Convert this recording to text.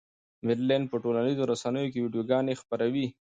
مېرلن په ټولنیزو رسنیو کې ویډیوګانې خپروي.